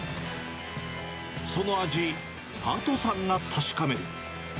その味、パートさんが確かめる。